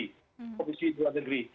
komisi luar negeri